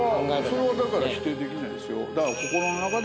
それはだから否定できないですよ。